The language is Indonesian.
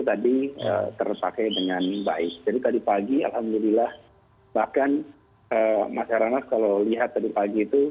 jadi tadi pagi alhamdulillah bahkan masyarakat kalau lihat tadi pagi itu